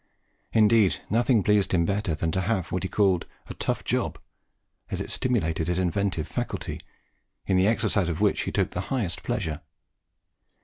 Indeed, nothing pleased him better than to have what he called "a tough job;" as it stimulated his inventive faculty, in the exercise of which he took the highest pleasure.